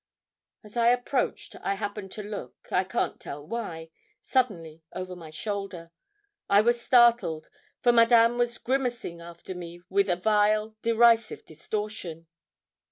As I approached, I happened to look, I can't tell why, suddenly, over my shoulder; I was startled, for Madame was grimacing after me with a vile derisive distortion.